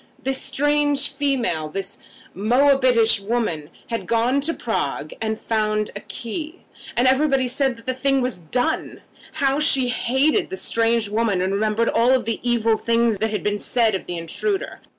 This strange female, this Moabitish woman, had gone to Prague, and had found a key, and everybody said that the thing was done! How she hated the strange woman, and remembered all the evil things that had been said of the intruder!